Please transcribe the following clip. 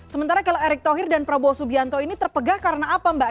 sementara kalau erick thohir dan prabowo subianto ini terpegah karena apa mbak